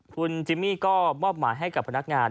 คุณจิมมี่ก็มอบหมายให้กับพนักงาน